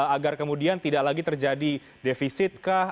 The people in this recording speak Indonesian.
agar kemudian tidak lagi terjadi defisit kah